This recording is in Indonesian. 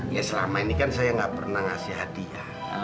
ya selama ini kan saya nggak pernah ngasih hadiah